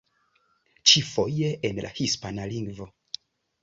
Ĉifoje en la hispana lingvo.